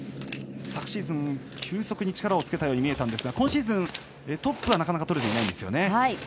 昨シーズン、急速に力をつけたように見えたんですが今シーズン、トップはなかなか取れていないんです。